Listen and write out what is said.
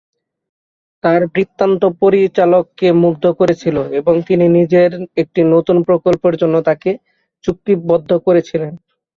তাঁর বৃত্তান্ত পরিচালককে মুগ্ধ করেছিল এবং তিনি নিজের একটি নতুন প্রকল্পের জন্য তাঁকে চুক্তিবদ্ধ করেছিলেন।